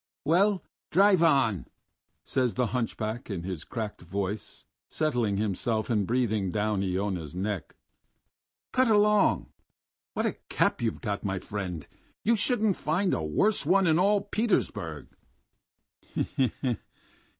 "Well, drive on," says the hunchback in his cracked voice, settling himself and breathing down Iona's neck. "Cut along! What a cap you've got, my friend! You wouldn't find a worse one in all Petersburg...."